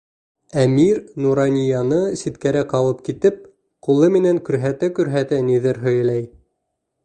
Әмир Нуранияны ситкәрәк алып китеп, ҡулы менән күрһәтә-күрһәтә ниҙер һөйләй.